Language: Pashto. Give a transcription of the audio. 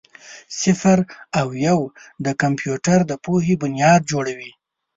صفر او یو د کمپیوټر د پوهې بنیاد جوړوي.